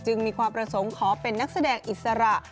มีความประสงค์ขอเป็นนักแสดงอิสระ